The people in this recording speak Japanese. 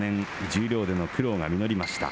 十両での苦労が実りました。